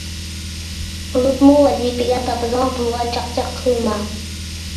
بولۇپمۇ ۋەزىپىگە، تاپىدىغان پۇلغا چاقچاق قىلما.